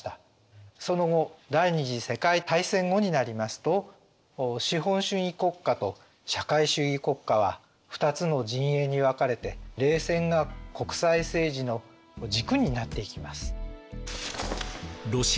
その後第二次世界大戦後になりますと資本主義国家と社会主義国家は二つの陣営に分かれて冷戦が国際政治の軸になっていきます。